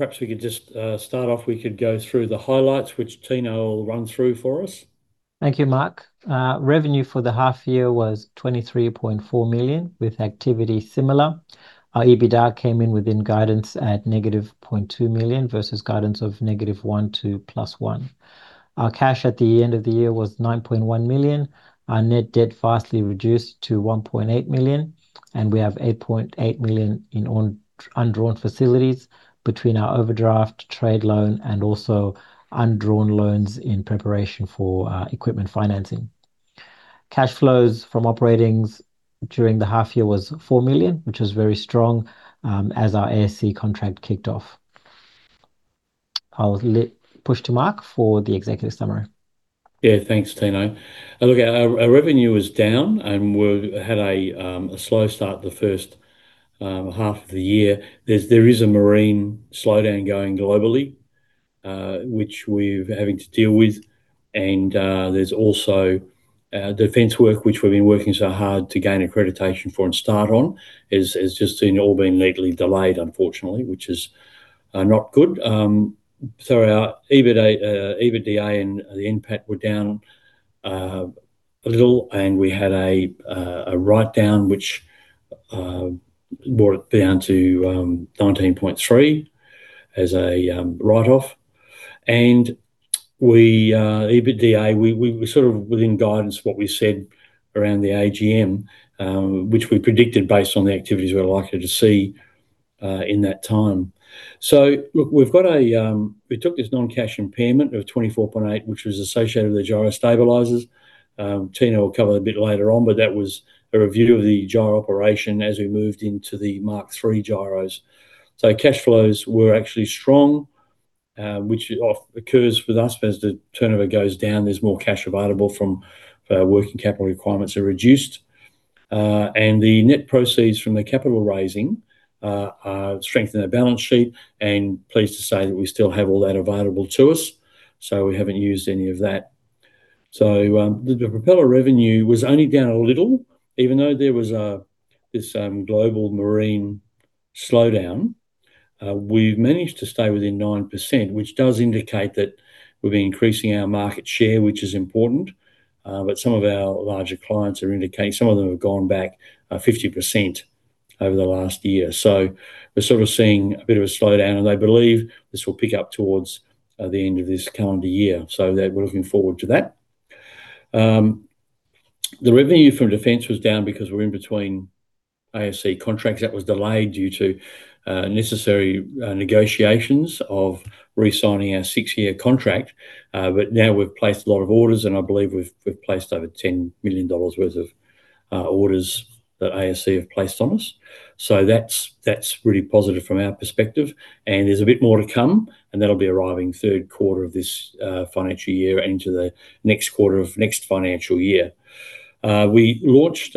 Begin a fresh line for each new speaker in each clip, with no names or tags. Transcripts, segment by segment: perhaps we could just start off. We could go through the highlights, which Tino will run through for us.
Thank you, Mark. Revenue for the half year was 23.4 million, with activity similar. Our EBITDA came in within guidance at negative 0.2 million versus guidance of negative 1 million to +1 million. Our cash at the end of the year was 9.1 million. Our net debt vastly reduced to 1.8 million, and we have 8.8 million in undrawn facilities between our overdraft, trade loan, and also undrawn loans in preparation for equipment financing. Cash flows from operations during the half year was 4 million, which was very strong, as our ASC contract kicked off. I'll push to Mark for the executive summary.
Thanks, Tino. Look, our revenue is down, and we had a slow start the first half of the year. There is a marine slowdown going globally, which we're having to deal with, and there's also defense work, which we've been working so hard to gain accreditation for and start on, is just seen all been legally delayed, unfortunately, which is not good. Our EBITDA and the NPAT were down a little, and we had a writedown, which brought it down to 19.3 as a write-off. We EBITDA, we sort of within guidance, what we said around the AGM, which we predicted based on the activities we're likely to see in that time. Look, we've got a... We took this non-cash impairment of 24.8, which was associated with the gyrostabilizers. Tino will cover a bit later on, that was a review of the gyro operation as we moved into the Mark III gyros. Cash flows were actually strong, which occurs with us. As the turnover goes down, there's more cash available from, working capital requirements are reduced. The net proceeds from the capital raising are strengthening our balance sheet, pleased to say that we still have all that available to us, we haven't used any of that. The propeller revenue was only down a little, even though there was this global marine slowdown. We've managed to stay within 9%, which does indicate that we've been increasing our market share, which is important. Some of our larger clients are indicating some of them have gone back 50% over the last year. We're sort of seeing a bit of a slowdown, and I believe this will pick up towards the end of this calendar year. That we're looking forward to that. The revenue from Defense was down because we're in between ASC contracts. That was delayed due to necessary negotiations of re-signing our six-year contract. Now we've placed a lot of orders, and I believe we've placed over 10 million dollars worth of orders that ASC have placed on us. That's really positive from our perspective, and there's a bit more to come, and that'll be arriving Q3 of this financial year into the next quarter of next financial year. We launched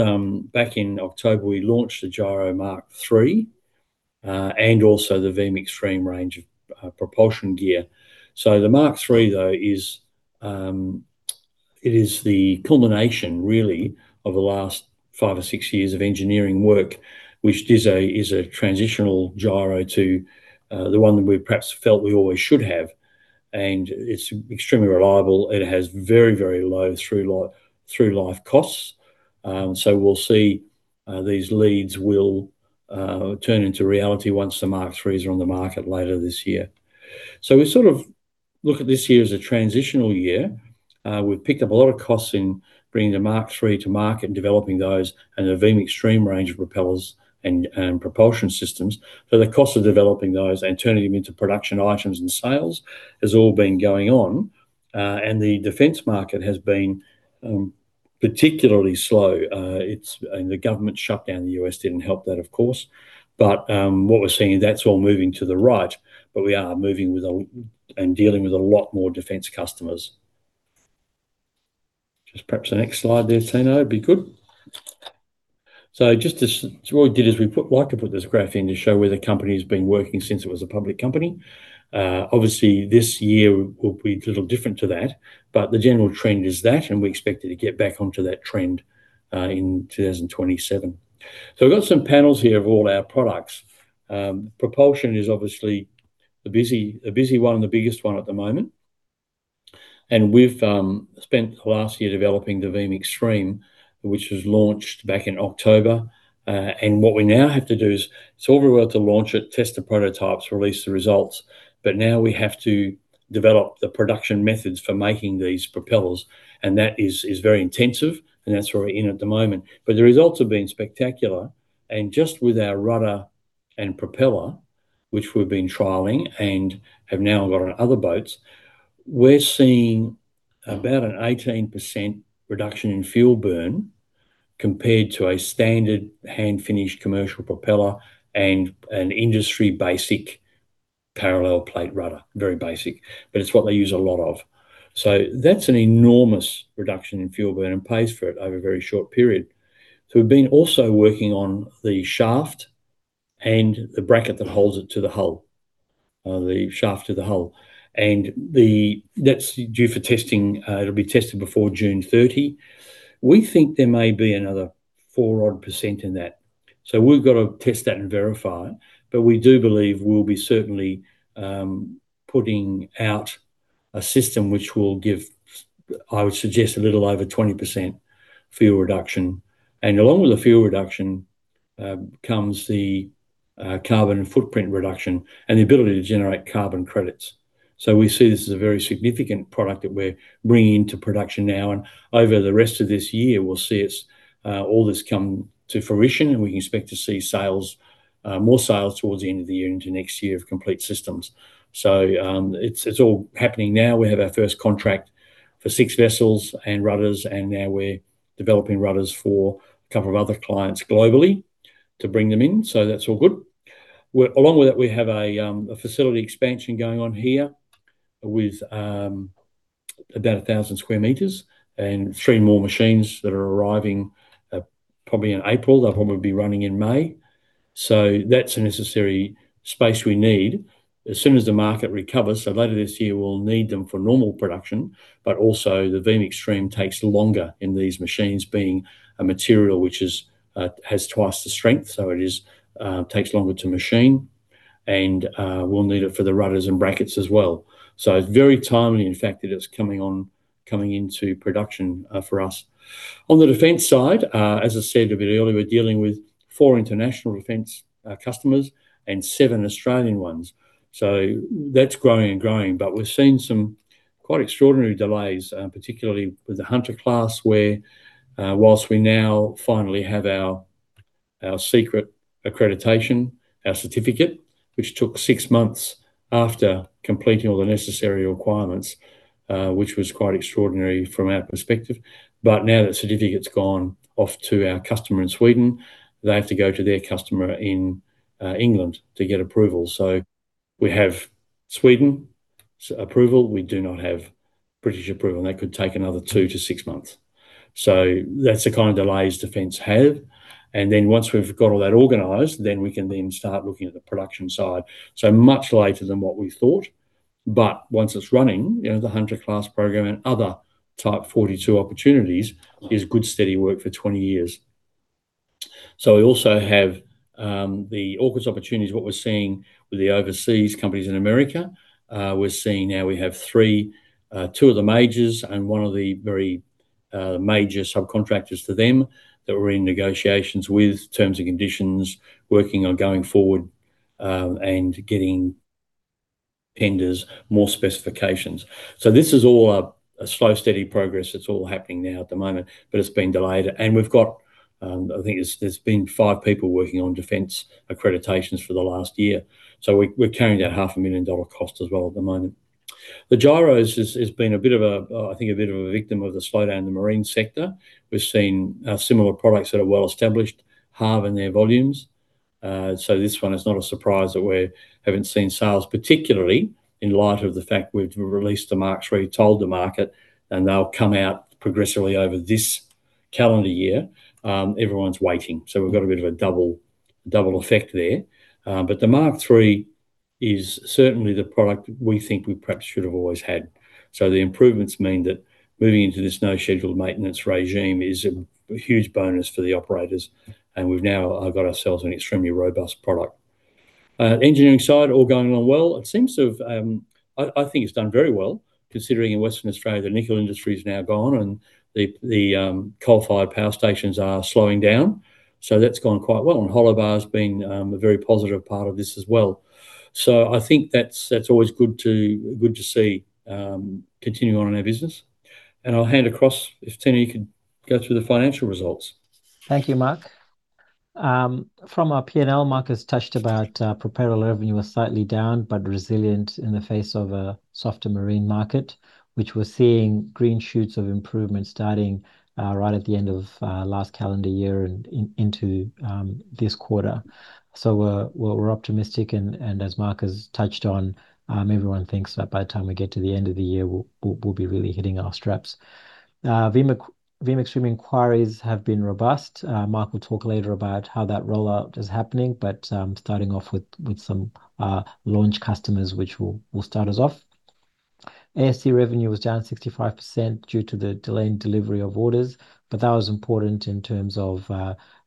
back in October, we launched the Gyro Mark III, and also the VEEM Extreme range of propulsion gear. The Mark III, though, is, it is the culmination really of the last 5 or 6 years of engineering work, which is a transitional gyro to the one that we perhaps felt we always should have. It's extremely reliable, and it has very, very low through-life costs. We'll see these leads will turn into reality once the Mark III are on the market later this year. We sort of look at this year as a transitional year. We've picked up a lot of costs in bringing the Mark III to market and developing those, and the VEEM Extreme range of propellers and propulsion systems. The cost of developing those and turning them into production items and sales has all been going on, and the defense market has been particularly slow. The government shutdown in the U.S. didn't help that, of course, but what we're seeing, that's all moving to the right, but we are moving and dealing with a lot more defense customers. Just perhaps the next slide there, Tino, would be good. What we did is, we like to put this graph in to show where the company's been working since it was a public company. Obviously, this year will be little different to that, but the general trend is that, and we expect it to get back onto that trend in 2027. We've got some panels here of all our products. Propulsion is obviously the busy one and the biggest one at the moment. We've spent the last year developing the VEEM Extreme, which was launched back in October. What we now have to do is, it's all well to launch it, test the prototypes, release the results, but now we have to develop the production methods for making these propellers, and that is very intensive, and that's where we're in at the moment. The results have been spectacular, and just with our rudder and propeller, which we've been trialing and have now got on other boats, we're seeing about an 18% reduction in fuel burn compared to a standard hand-finished commercial propeller and an industry-basic parallel plate rudder. Very basic, but it's what they use a lot of. That's an enormous reduction in fuel burn, and pays for it over a very short period. We've been also working on the shaft and the bracket that holds it to the hull, the shaft to the hull, and that's due for testing. It'll be tested before June 30. We think there may be another 4 odd % in that. We've got to test that and verify it, but we do believe we'll be certainly putting out a system which will give, I would suggest, a little over 20% fuel reduction. Along with the fuel reduction, comes the carbon footprint reduction and the ability to generate carbon credits. We see this as a very significant product that we're bringing into production now, and over the rest of this year, we'll see all this come to fruition, and we expect to see sales, more sales towards the end of the year into next year of complete systems. It's, it's all happening now. We have our first contract for 6 vessels and rudders, and now we're developing rudders for a couple of other clients globally to bring them in, that's all good. Well, along with that, we have a facility expansion going on here with about 1,000 square meters and 3 more machines that are arriving probably in April. They'll probably be running in May. That's a necessary space we need as soon as the market recovers. Later this year, we'll need them for normal production, but also the VEEM Extreme takes longer in these machines, being a material which is, has twice the strength, so it is, takes longer to machine and we'll need it for the rudders and brackets as well. It's very timely, in fact, that it's coming on, coming into production for us. On the defense side, as I said a bit earlier, we're dealing with four international defense customers and seven Australian ones, so that's growing and growing. We've seen some quite extraordinary delays, particularly with the Hunter Class, where, whilst we now finally have our secret accreditation, our certificate, which took six months after completing all the necessary requirements, which was quite extraordinary from our perspective. Now that certificate's gone off to our customer in Sweden, they have to go to their customer in England to get approval. We have Sweden approval. We do not have British approval, and that could take another 2 to 6 months. That's the kind of delays defense have, and then once we've got all that organized, then we can then start looking at the production side. Much later than what we thought, but once it's running, you know, the Hunter Class program and other Type 42 opportunities is good, steady work for 20 years. We also have the AUKUS opportunities. What we're seeing with the overseas companies in America, we're seeing now we have 3, 2 of the majors and 1 of the very, major subcontractors to them, that we're in negotiations with terms and conditions, working on going forward, and getting tenders, more specifications. This is all a slow, steady progress. It's all happening now at the moment, but it's been delayed. We've got, I think it's, there's been 5 people working on defense accreditations for the last year. We're carrying that half a million dollar cost as well at the moment. The Gyro has been a bit of a, I think a bit of a victim of the slowdown in the marine sector. We've seen similar products that are well-established halving their volumes. This one is not a surprise that we haven't seen sales, particularly in light of the fact we've released the Mark III, told the market, and they'll come out progressively over this calendar year. Everyone's waiting, we've got a bit of a double effect there. The Mark III is certainly the product we think we perhaps should have always had. The improvements mean that moving into this no scheduled maintenance regime is a huge bonus for the operators, and we've now got ourselves an extremely robust product. Engineering side, all going on well. It seems to have, I think it's done very well, considering in Western Australia, the nickel industry is now gone and the coal-fired power stations are slowing down. That's gone quite well, and Hollow Bar being a very positive part of this as well. I think that's always good to, good to see, continuing on in our business. I'll hand across. If, Tino, you could go through the financial results.
Thank you, Mark. From our P&L, Mark has touched about prepared revenue was slightly down but resilient in the face of a softer marine market, which we're seeing green shoots of improvement starting right at the end of last calendar year and into this quarter. We're optimistic, and as Mark has touched on, everyone thinks that by the time we get to the end of the year, we'll be really hitting our straps. VEEM Extreme inquiries have been robust. Mark will talk later about how that rollout is happening, starting off with some launch customers, which will start us off. ASC revenue was down 65% due to the delayed delivery of orders. That was important in terms of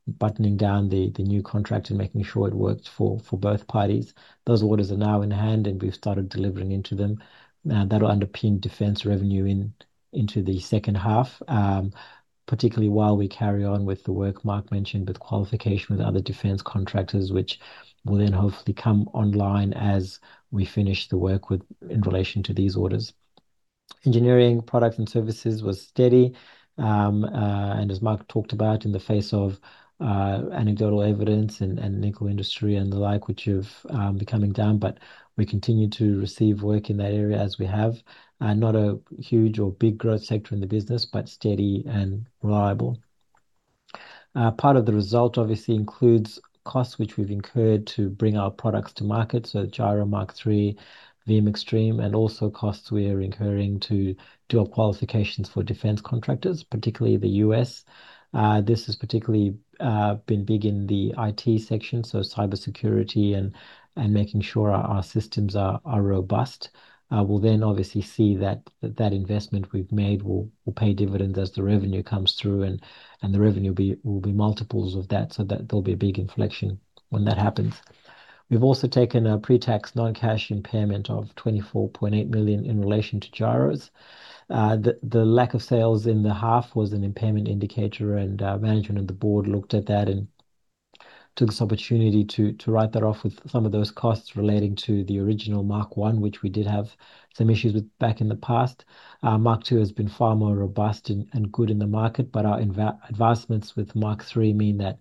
buttoning down the new contract and making sure it worked for both parties. Those orders are now in hand. We've started delivering into them. That'll underpin defense revenue into the second half, particularly while we carry on with the work Mark mentioned, with qualification with other defense contractors, which will then hopefully come online as we finish the work in relation to these orders. Engineering products and services was steady. As Mark talked about, in the face of anecdotal evidence and nickel industry and the like, which have been coming down, we continue to receive work in that area as we have. Not a huge or big growth sector in the business, but steady and reliable. Part of the result obviously includes costs which we've incurred to bring our products to market, so Gyro Mark III, VEEM Extreme, and also costs we are incurring to do our qualifications for defense contractors, particularly the U.S. This has particularly been big in the IT section, so cybersecurity and making sure our systems are robust. We'll then obviously see that investment we've made will pay dividends as the revenue comes through, and the revenue will be multiples of that, so there'll be a big inflection when that happens. We've also taken a pre-tax non-cash impairment of 24.8 million in relation to gyros. The lack of sales in the half was an impairment indicator, and management and the board looked at that and took this opportunity to write that off with some of those costs relating to the original Mark I, which we did have some issues with back in the past. Mark II has been far more robust and good in the market, but our advancements with Mark III mean that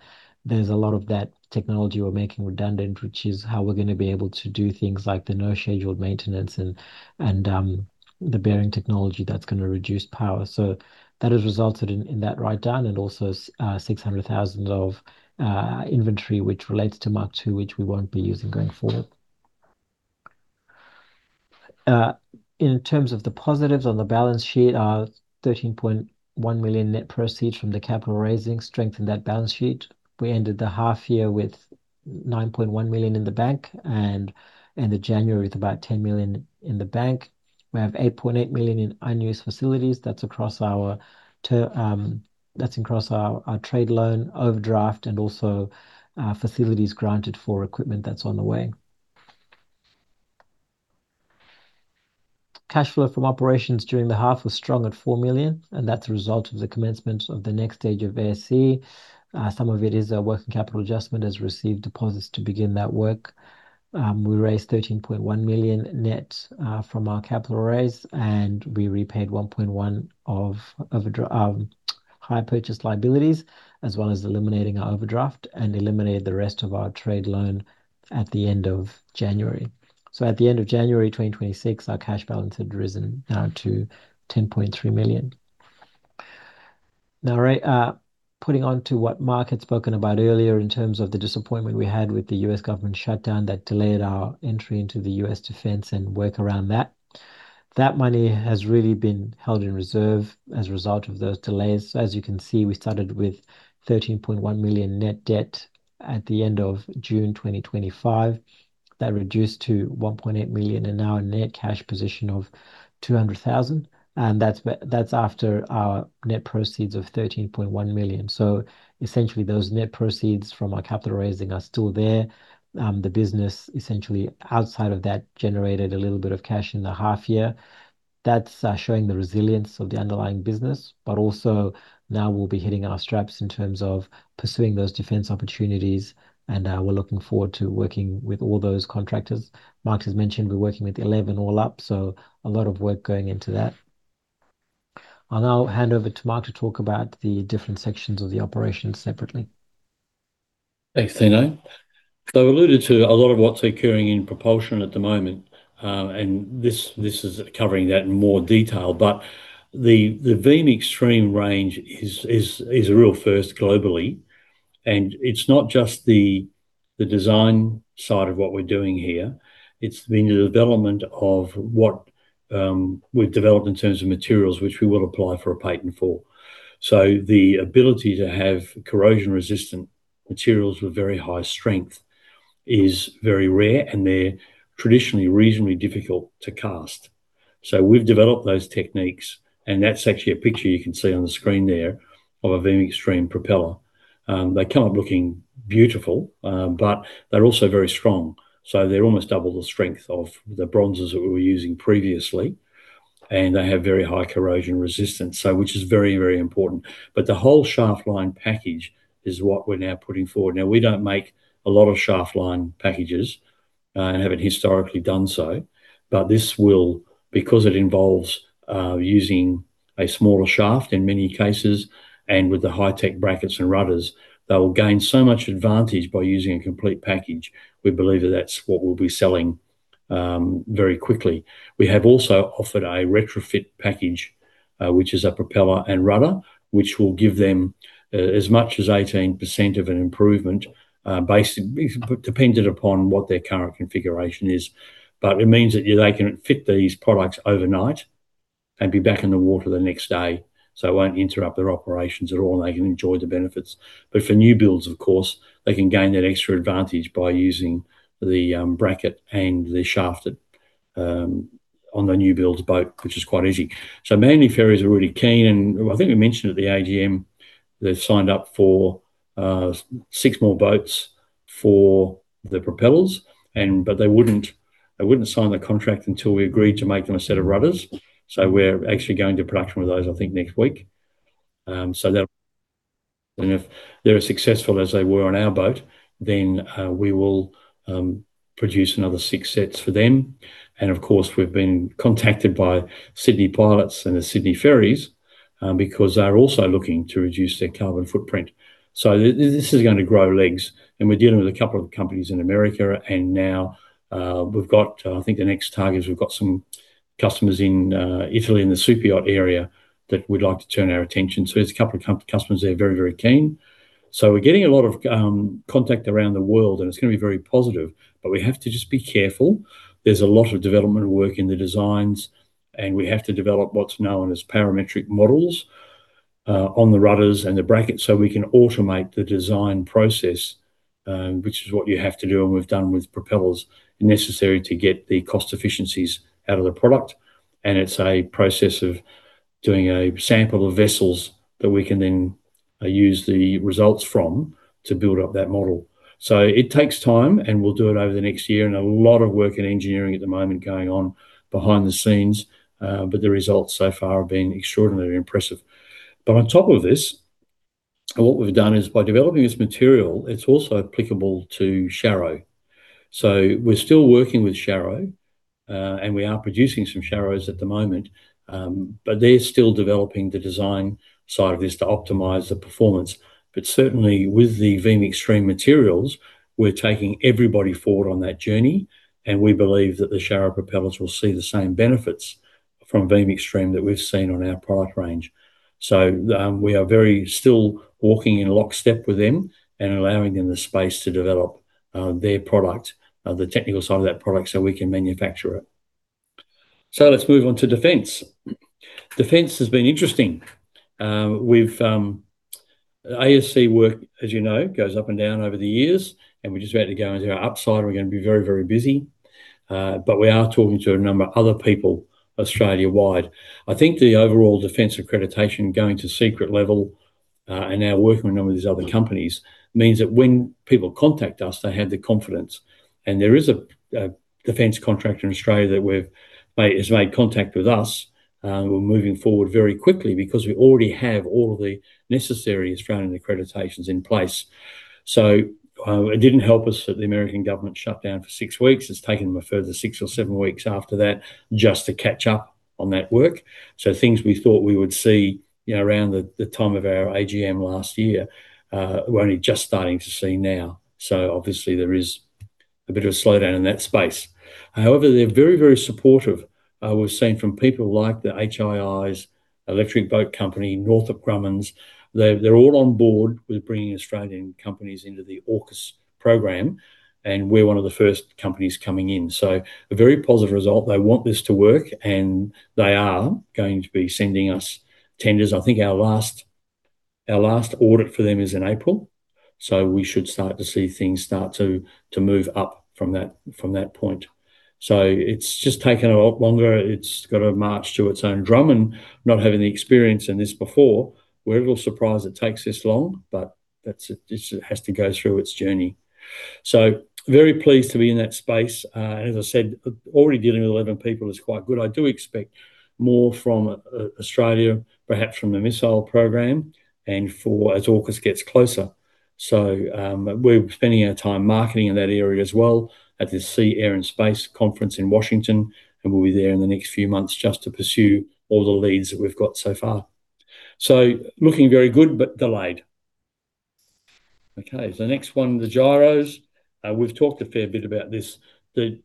there's a lot of that technology we're making redundant, which is how we're gonna be able to do things like the no scheduled maintenance and the bearing technology that's gonna reduce power. That has resulted in that write down, and also 600,000 of inventory, which relates to Mark II, which we won't be using going forward. In terms of the positives on the balance sheet, our 13.1 million net proceeds from the capital raising strengthened that balance sheet. We ended the half year with 9.1 million in the bank, and ended January with about 10 million in the bank. We have 8.8 million in unused facilities. That's across our trade loan overdraft, and also, facilities granted for equipment that's on the way. Cash flow from operations during the half was strong at 4 million, and that's a result of the commencement of the next stage of ASC. Some of it is a working capital adjustment, as we received deposits to begin that work. We raised 13.1 million net from our capital raise, and we repaid 1.1 of hire purchase liabilities, as well as eliminating our overdraft, and eliminated the rest of our trade loan at the end of January. At the end of January 2026, our cash balance had risen to 10.3 million. Now, putting on to what Mark had spoken about earlier in terms of the disappointment we had with the U.S. government shutdown that delayed our entry into the U.S. defense and work around that money has really been held in reserve as a result of those delays. As you can see, we started with 13.1 million net debt at the end of June 2025. That reduced to 1.8 million, and now a net cash position of 200,000, and that's after our net proceeds of 13.1 million. Essentially, those net proceeds from our capital raising are still there. The business, essentially outside of that, generated a little bit of cash in the half year. That's showing the resilience of the underlying business, but also now we'll be hitting our straps in terms of pursuing those defense opportunities, and we're looking forward to working with all those contractors. Mark has mentioned we're working with 11 all up, so a lot of work going into that. I'll now hand over to Mark to talk about the different sections of the operation separately.
Thanks, Tino. I've alluded to a lot of what's occurring in propulsion at the moment, and this is covering that in more detail. The VEEM Extreme range is a real first globally, and it's not just the design side of what we're doing here, it's the new development of what we've developed in terms of materials, which we will apply for a patent for. The ability to have corrosion-resistant materials with very high strength is very rare, and they're traditionally reasonably difficult to cast. We've developed those techniques, and that's actually a picture you can see on the screen there of a VEEM Extreme propeller. They come up looking beautiful, but they're also very strong. They're almost double the strength of the bronzes that we were using previously, and they have very high corrosion resistance, so which is very, very important. The whole shaft line package is what we're now putting forward. We don't make a lot of shaft line packages, and haven't historically done so, but this will. Because it involves using a smaller shaft in many cases, and with the high-tech brackets and rudders, they will gain so much advantage by using a complete package. We believe that that's what we'll be selling very quickly. We have also offered a retrofit package, which is a propeller and rudder, which will give them as much as 18% of an improvement, dependent upon what their current configuration is. It means that they can fit these products overnight and be back in the water the next day, so it won't interrupt their operations at all, and they can enjoy the benefits. For new builds, of course, they can gain that extra advantage by using the bracket and the shaft that on the new builds boat, which is quite easy. Manly Ferries are really keen, and I think we mentioned at the AGM, they've signed up for six more boats for the propellers but they wouldn't sign the contract until we agreed to make them a set of rudders. We're actually going to production with those, I think, next week. So that and if they're as successful as they were on our boat, then we will produce another six sets for them. Of course, we've been contacted by Sydney Pilots and the Sydney Ferries, because they are also looking to reduce their carbon footprint. This is gonna grow legs, and we're dealing with a couple of companies in America, and now, we've got, I think the next target is we've got some customers in Italy, in the superyacht area, that we'd like to turn our attention to. There's a couple of customers there, very, very keen. We're getting a lot of contact around the world, and it's gonna be very positive, but we have to just be careful. There's a lot of development work in the designs, and we have to develop what's known as parametric models on the rudders and the brackets, so we can automate the design process, which is what you have to do, and we've done with propellers, necessary to get the cost efficiencies out of the product. It's a process of doing a sample of vessels that we can then use the results from to build up that model. It takes time. We'll do it over the next year, and a lot of work in engineering at the moment going on behind the scenes. The results so far have been extraordinarily impressive. On top of this, what we've done is, by developing this material, it's also applicable to Sharrow. We're still working with Sharrow, and we are producing some Sharrows at the moment, but they're still developing the design side of this to optimize the performance. Certainly, with the VEEM Extreme materials, we're taking everybody forward on that journey, and we believe that the Sharrow propellers will see the same benefits from VEEM Extreme that we've seen on our product range. We are very still walking in lockstep with them and allowing them the space to develop, their product, the technical side of that product, so we can manufacture it. Let's move on to defense. Defense has been interesting. ASC work, as you know, goes up and down over the years, and we're just about to go into our upside, and we're gonna be very, very busy. We are talking to a number of other people Australia-wide. I think the overall defense accreditation going to secret level, and now working with a number of these other companies, means that when people contact us, they have the confidence. There is a defense contractor in Australia that has made contact with us, and we're moving forward very quickly because we already have all of the necessary Australian accreditations in place. It didn't help us that the American government shut down for 6 weeks. It's taken them a further 6 or 7 weeks after that just to catch up on that work. Things we thought we would see, you know, around the time of our AGM last year, we're only just starting to see now. Obviously, there is a bit of a slowdown in that space. They're very, very supportive. We've seen from people like the HII's, Electric Boat Company, Northrop Grumman, they're all on board with bringing Australian companies into the AUKUS program, and we're one of the first companies coming in, so a very positive result. They want this to work, and they are going to be sending us tenders. I think our last audit for them is in April, so we should start to see things start to move up from that point. It's just taken a lot longer. It's got to march to its own drum, and not having the experience in this before, we're a little surprised it takes this long, but that's it. It just has to go through its journey. Very pleased to be in that space. As I said, already dealing with 11 people is quite good. I do expect more from Australia, perhaps from the missile program and for as AUKUS gets closer. We're spending our time marketing in that area as well at the Sea-Air-Space Conference in Washington, and we'll be there in the next few months just to pursue all the leads that we've got so far. Looking very good, but delayed. Okay, the next one, the gyros. We've talked a fair bit about this. The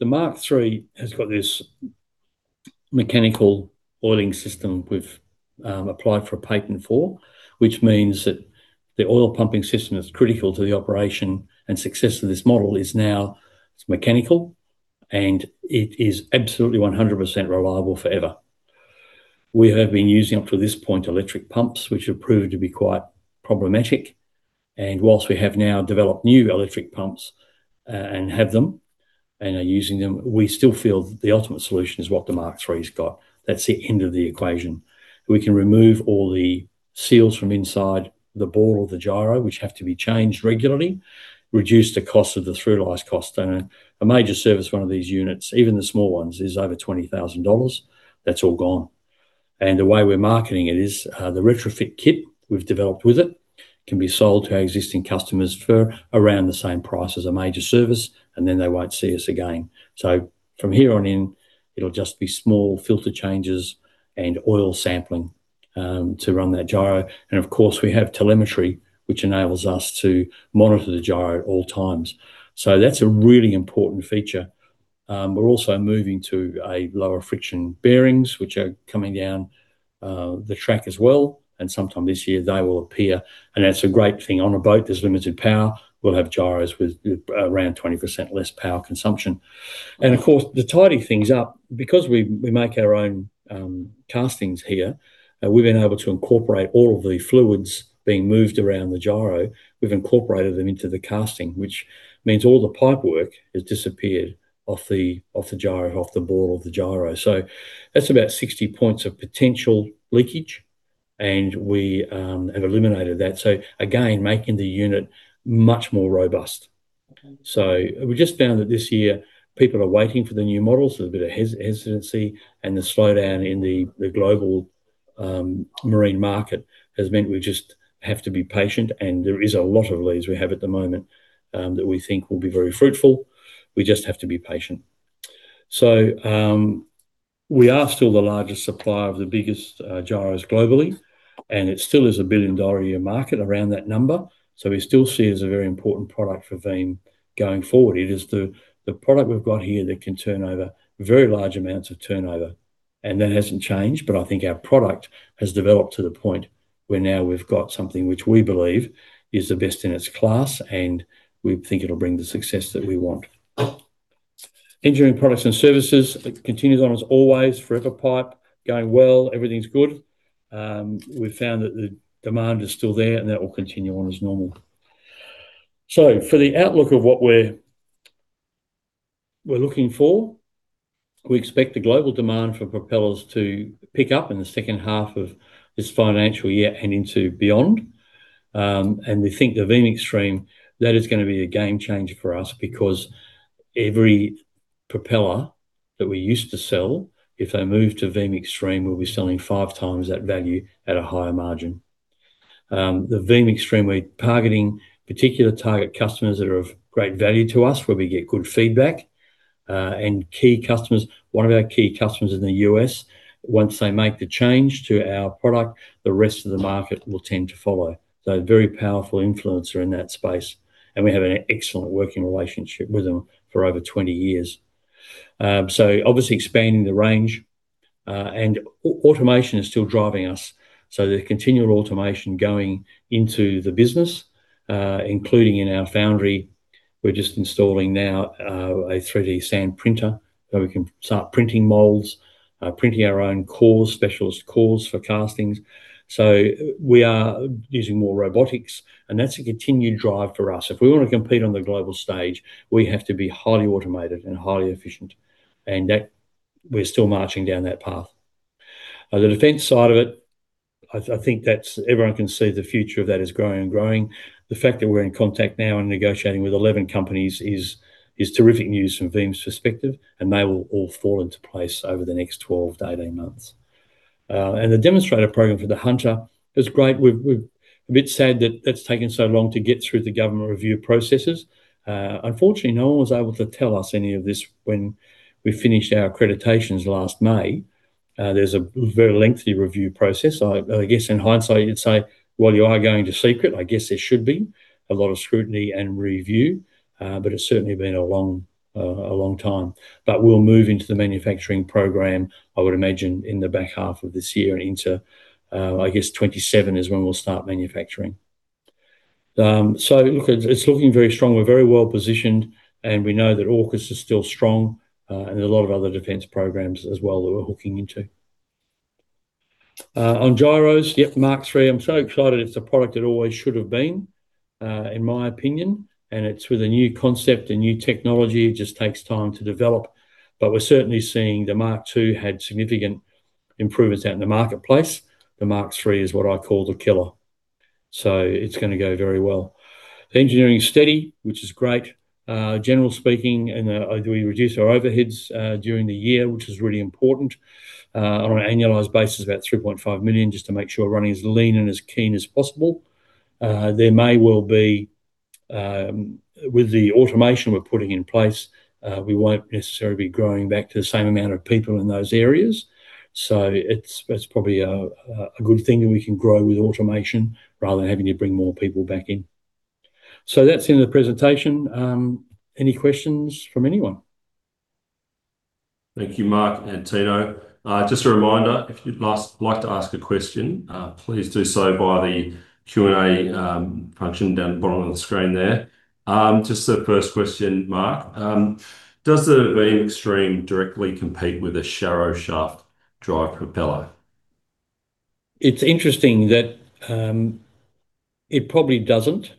Mark III has got this mechanical oiling system we've applied for a patent for. Which means that the oil pumping system that's critical to the operation and success of this model is now mechanical, and it is absolutely 100% reliable forever. We have been using, up to this point, electric pumps, which have proved to be quite problematic. Whilst we have now developed new electric pumps, and have them and are using them, we still feel that the ultimate solution is what the Mark III's got. That's the end of the equation. We can remove all the seals from inside the ball or the gyro, which have to be changed regularly, reduce the cost of the through-life cost. A major service, one of these units, even the small ones, is over 20,000 dollars. That's all gone. The way we're marketing it is, the retrofit kit we've developed with it can be sold to our existing customers for around the same price as a major service, and then they won't see us again. From here on in, it'll just be small filter changes and oil sampling, to run that gyro. Of course, we have telemetry, which enables us to monitor the gyro at all times. That's a really important feature. We're also moving to a lower friction bearings, which are coming down the track as well. Sometime this year, they will appear, and that's a great thing. On a boat, there's limited power. We'll have gyros with around 20% less power consumption. Of course, the tidying things up, because we make our own castings here, we've been able to incorporate all of the fluids being moved around the gyro. We've incorporated them into the casting, which means all the pipework has disappeared off the gyro, off the ball of the gyro. That's about 60 points of potential leakage. We have eliminated that, again, making the unit much more robust. We just found that this year, people are waiting for the new models, there's a bit of hesitancy, and the slowdown in the global marine market has meant we just have to be patient. There is a lot of leads we have at the moment that we think will be very fruitful. We just have to be patient. We are still the largest supplier of the biggest gyros globally, and it still is a billion-dollar a year market around that number. We still see it as a very important product for VEEM going forward. It is the product we've got here that can turn over very large amounts of turnover, and that hasn't changed. I think our product has developed to the point where now we've got something which we believe is the best in its class, and we think it'll bring the success that we want. Engineering products and services, it continues on as always. Forever Pipe, going well, everything's good. We've found that the demand is still there, and that will continue on as normal. For the outlook We're looking forward. We expect the global demand for propellers to pick up in the second half of this financial year and into beyond. And we think the VEEM Extreme, that is gonna be a game changer for us, because every propeller that we used to sell, if they move to VEEM Extreme, we'll be selling five times that value at a higher margin. The VEEM Extreme, we're targeting particular target customers that are of great value to us, where we get good feedback, and key customers. One of our key customers in the US, once they make the change to our product, the rest of the market will tend to follow. A very powerful influencer in that space, and we have an excellent working relationship with them for over 20 years. Obviously expanding the range, and automation is still driving us, so there's continual automation going into the business, including in our foundry. We're just installing now, a 3D sand printer, where we can start printing molds, printing our own cores, specialist cores for castings. We are using more robotics, and that's a continued drive for us. If we want to compete on the global stage, we have to be highly automated and highly efficient. We're still marching down that path. The defense side of it, I think everyone can see the future of that is growing and growing. The fact that we're in contact now and negotiating with 11 companies is terrific news from VEEM's perspective, and they will all fall into place over the next 12-18 months. The demonstrator program for the Hunter is great. We're a bit sad that that's taken so long to get through the government review processes. Unfortunately, no one was able to tell us any of this when we finished our accreditations last May. There's a very lengthy review process. I guess, in hindsight you'd say, "Well, you are going to secret," I guess there should be a lot of scrutiny and review, but it's certainly been a long, a long time. We'll move into the manufacturing program, I would imagine, in the back half of this year and into, I guess 2027 is when we'll start manufacturing. Look, it's looking very strong. We're very well positioned, and we know that AUKUS is still strong, and there's a lot of other defense programs as well that we're hooking into. On gyros, yep, Mark III, I'm so excited. It's the product it always should have been, in my opinion, and it's with a new concept, a new technology. It just takes time to develop. We're certainly seeing the Mark II had significant improvements out in the marketplace. The Mark III is what I call the killer, so it's gonna go very well. Engineering is steady, which is great. General speaking, and we reduced our overheads during the year, which is really important. On an annualized basis, about 3.5 million, just to make sure we're running as lean and as keen as possible. There may well be, with the automation we're putting in place, we won't necessarily be growing back to the same amount of people in those areas. It's, that's probably a, a good thing that we can grow with automation rather than having to bring more people back in. That's the end of the presentation. Any questions from anyone?
Thank you, Mark and Tino. Just a reminder, if you'd like to ask a question, please do so via the Q&A function down the bottom of the screen there. Just the first question, Mark, does the VEEM Extreme directly compete with a Sharrow shaft drive propeller?
It's interesting that, it probably doesn't,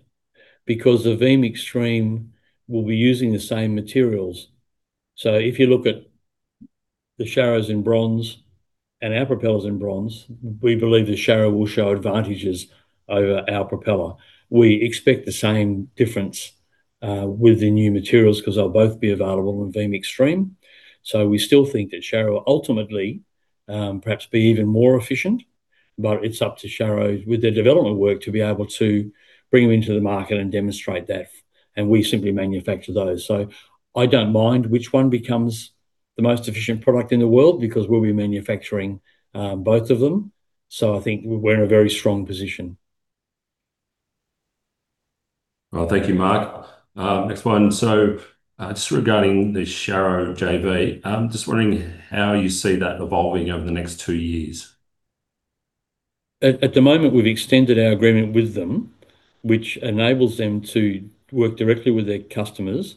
because the VEEM Extreme will be using the same materials. If you look at the Sharrows in bronze and our propellers in bronze, we believe the Sharrow will show advantages over our propeller. We expect the same difference, with the new materials, 'cause they'll both be available in VEEM Extreme. We still think that Sharrow ultimately, perhaps be even more efficient, but it's up to Sharrow, with their development work, to be able to bring them into the market and demonstrate that, and we simply manufacture those. I don't mind which one becomes the most efficient product in the world, because we'll be manufacturing, both of them. I think we're in a very strong position.
Thank you, Mark. Next one. Just regarding the Sharrow JV, I'm just wondering how you see that evolving over the next two years?
At the moment, we've extended our agreement with them, which enables them to work directly with their customers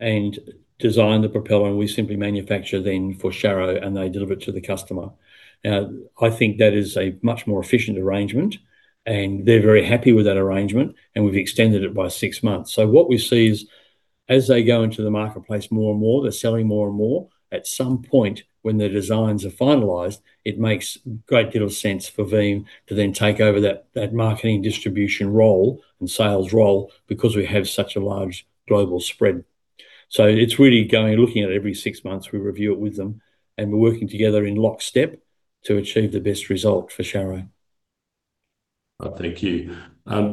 and design the propeller, and we simply manufacture then for Sharrow, and they deliver it to the customer. I think that is a much more efficient arrangement, and they're very happy with that arrangement, and we've extended it by six months. What we see is, as they go into the marketplace more and more, they're selling more and more. At some point, when their designs are finalized, it makes a great deal of sense for VEEM to then take over that marketing, distribution role and sales role, because we have such a large global spread. It's really going, looking at it every six months, we review it with them, and we're working together in lockstep to achieve the best result for Sharrow.
Thank you.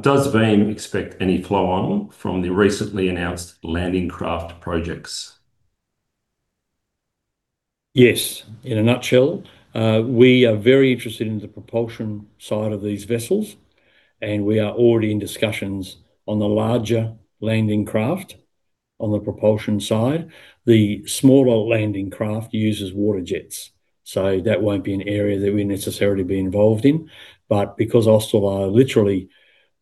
Does VEEM expect any flow-on from the recently announced landing craft projects?
Yes. In a nutshell, we are very interested in the propulsion side of these vessels. We are already in discussions on the larger landing craft on the propulsion side. The smaller landing craft uses water jets, so that won't be an area that we'd necessarily be involved in, but because Austal are literally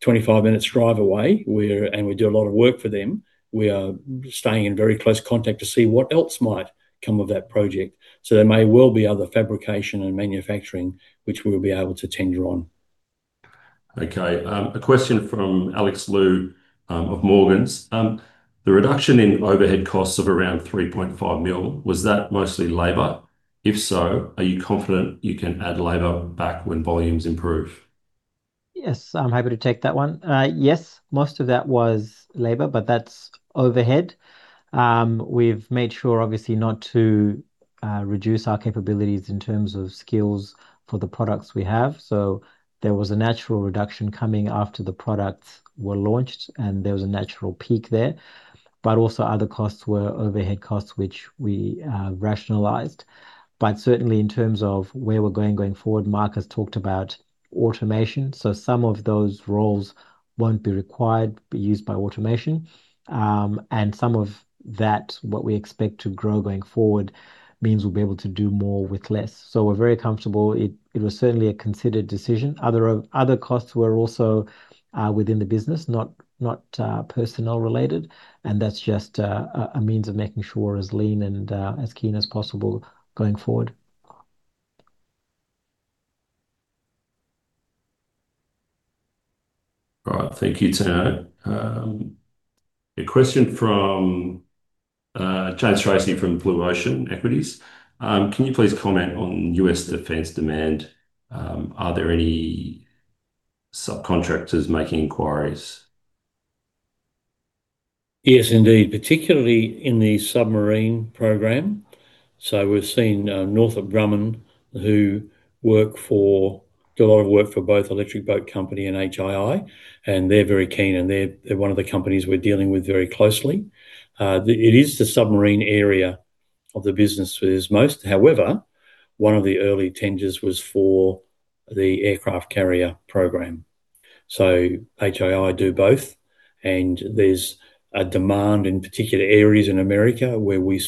25 minutes drive away, and we do a lot of work for them, we are staying in very close contact to see what else might come of that project. There may well be other fabrication and manufacturing, which we'll be able to tender on.
Okay, a question from Alex Lou, of Morgans. The reduction in overhead costs of around 3.5 million, was that mostly labor? If so, are you confident you can add labor back when volumes improve?
Yes, I'm happy to take that one. Yes, most of that was labor, but that's overhead. We've made sure, obviously, not to, reduce our capabilities in terms of skills for the products we have. There was a natural reduction coming after the products were launched, and there was a natural peak there. Also other costs were overhead costs, which we, rationalized. Certainly in terms of where we're going forward, Mark has talked about automation. Some of those roles won't be required, but used by automation. Some of that, what we expect to grow going forward, means we'll be able to do more with less. We're very comfortable. It was certainly a considered decision. Other costs were also within the business, not personnel-related, That's just a means of making sure we're as lean and as keen as possible going forward.
All right. Thank you, Tino. A question from James Tracy from Blue Ocean Equities. Can you please comment on U.S. Defense demand? Are there any subcontractors making inquiries?
Yes, indeed, particularly in the submarine program. We've seen Northrop Grumman, who do a lot of work for both Electric Boat Company and HII, and they're very keen, and they're one of the companies we're dealing with very closely. It is the submarine area of the business is most... However, one of the early tenders was for the aircraft carrier program. HII do both, and there's a demand in particular areas in America where we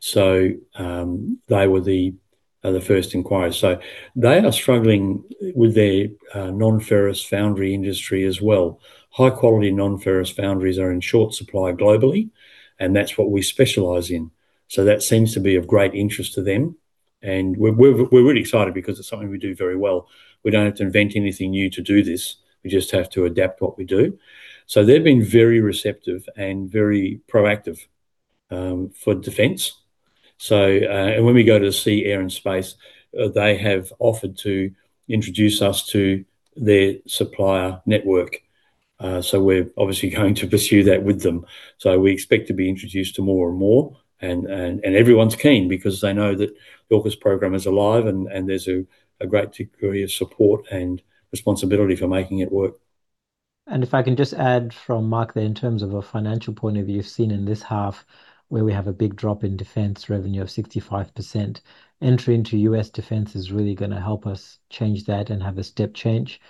specialize. They were the first inquiry. They are struggling with their non-ferrous foundry industry as well. High-quality non-ferrous foundries are in short supply globally, and that's what we specialize in. That seems to be of great interest to them, and we're really excited because it's something we do very well. We don't have to invent anything new to do this. We just have to adapt what we do. They've been very receptive and very proactive for defense. When we go to Sea-Air-Space, they have offered to introduce us to their supplier network. We're obviously going to pursue that with them. We expect to be introduced to more and more, and everyone's keen because they know that the AUKUS program is alive, and there's a great degree of support and responsibility for making it work.
If I can just add from Mark there, in terms of a financial point of view, you've seen in this half, where we have a big drop in defense revenue of 65%, entry into US defense is really gonna help us change that and have a step change.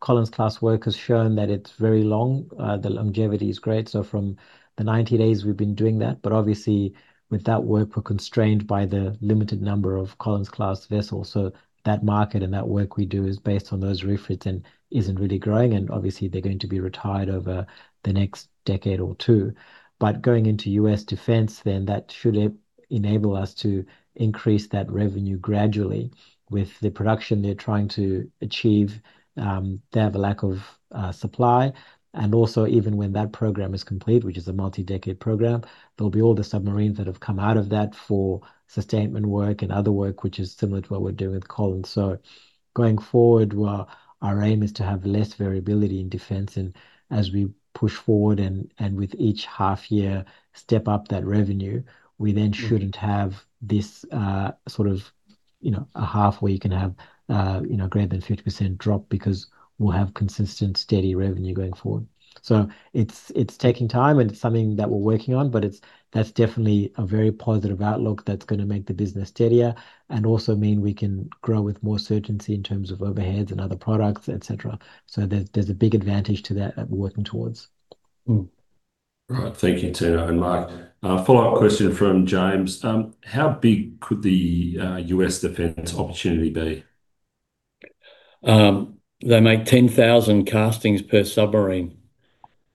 Collins-class work has shown that it's very long, the longevity is great, so from the 90 days we've been doing that. Obviously, with that work, we're constrained by the limited number of Collins-class vessels, so that market and that work we do is based on those refits and isn't really growing, and obviously they're going to be retired over the next decade or two. Going into US defense, then that should enable us to increase that revenue gradually. With the production they're trying to achieve, they have a lack of supply. Also, even when that program is complete, which is a multi-decade program, there'll be all the submarines that have come out of that for sustainment work and other work, which is similar to what we're doing with Collins. Going forward, well, our aim is to have less variability in defense. As we push forward and with each half year, step up that revenue, we then shouldn't have this sort of, you know, a half where you can have, you know, a greater than 50% drop because we'll have consistent, steady revenue going forward. It's taking time, and it's something that we're working on, but that's definitely a very positive outlook that's gonna make the business steadier and also mean we can grow with more certainty in terms of overheads and other products, et cetera. There's a big advantage to that we're working towards.
Right. Thank you, Tino and Mark. A follow-up question from James. How big could the U.S. defense opportunity be?
They make 10,000 castings per submarine.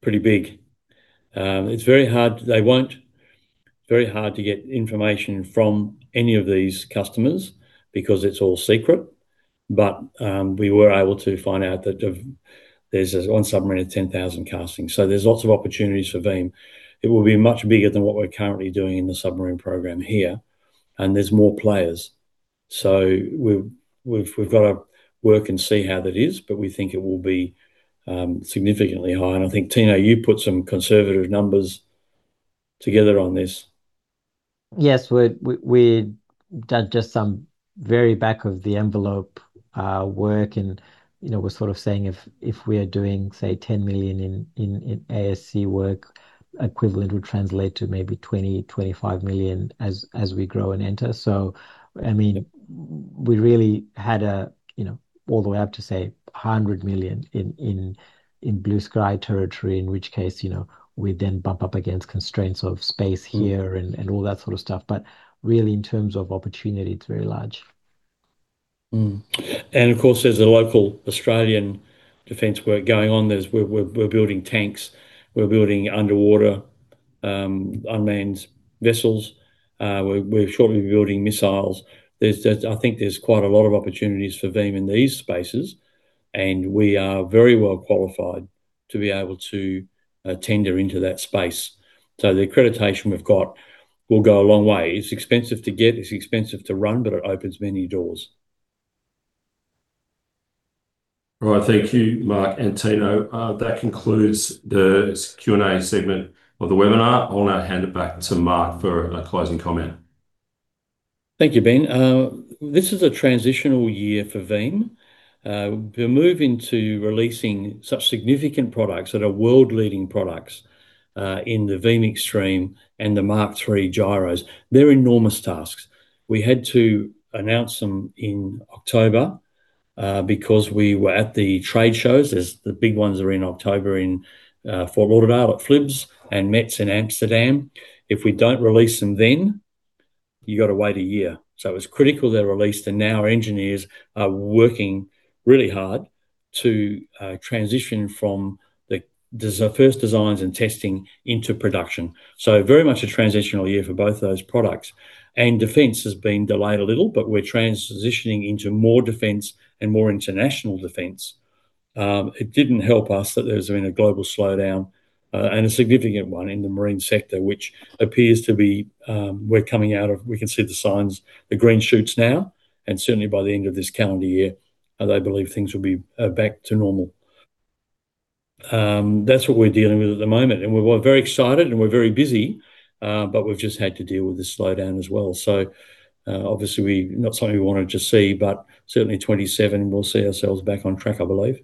Pretty big. It's very hard to get information from any of these customers because it's all secret, but we were able to find out that on submarine, 10,000 castings. There's lots of opportunities for VEEM. It will be much bigger than what we're currently doing in the submarine program here, and there's more players. We've got to work and see how that is, but we think it will be significantly high. I think, Tino, you put some conservative numbers together on this.
Yes, we did just some very back-of-the-envelope work and, you know, we're sort of saying if we are doing, say, 10 million in ASC work, equivalent would translate to maybe 20 million-25 million as we grow and enter. I mean, we really had a, you know, all the way up to, say, 100 million in blue sky territory, in which case, you know, we then bump up against constraints of space here and all that sort of stuff. Really, in terms of opportunity, it's very large.
Of course, there's a local Australian defense work going on. We're building tanks, we're building unmanned vessels. We're shortly building missiles. I think there's quite a lot of opportunities for VEEM in these spaces, and we are very well qualified to be able to tender into that space. The accreditation we've got will go a long way. It's expensive to get, it's expensive to run, but it opens many doors.
All right. Thank you, Mark and Tino. That concludes the Q&A segment of the webinar. I'll now hand it back to Mark for a closing comment.
Thank you, Ben. This is a transitional year for VEEM. We're moving to releasing such significant products that are world-leading products, in the VEEM Extreme and the Mark III gyros. They're enormous tasks. We had to announce them in October, because we were at the trade shows, as the big ones are in October in Fort Lauderdale at FLIBS, and METS in Amsterdam. If we don't release them then, you've got to wait a year. It's critical they're released. Now our engineers are working really hard to transition from the first designs and testing into production. Very much a transitional year for both those products. Defense has been delayed a little, but we're trans-positioning into more defense and more international defense. It didn't help us that there's been a global slowdown, and a significant one in the marine sector, which appears to be. We can see the signs, the green shoots now, and certainly by the end of this calendar year, I believe things will be back to normal. That's what we're dealing with at the moment, and we're very excited, and we're very busy, but we've just had to deal with this slowdown as well. Obviously, not something we wanted to see, but certainly 2027, we'll see ourselves back on track, I believe.